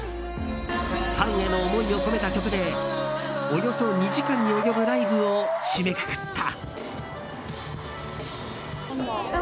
ファンへの思いを込めた曲でおよそ２時間に及ぶライブを締めくくった。